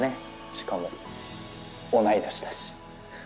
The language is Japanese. しかも同い年だし。